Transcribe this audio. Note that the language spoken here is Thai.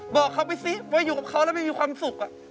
บอกเขาไปซิว่าอยู่กับเขาแล้วไม่มีความสุข